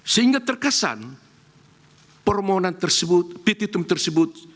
sehingga terkesan permohonan tersebut petitum tersebut